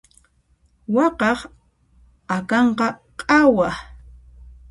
Wakaq akanqa q'awa.